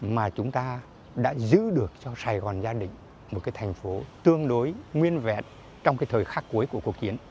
mà chúng ta đã giữ được cho sài gòn gia đình một cái thành phố tương đối nguyên vẹn trong cái thời khắc cuối của cuộc chiến